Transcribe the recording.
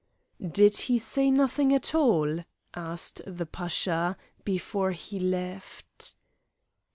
"Did he say nothing at all," asked the Pasha, "before he left?"